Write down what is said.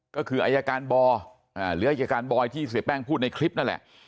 ก็คืออายการบอหรืออายการบอยที่เสียแป้งพูดในคลิปนั่นแหละ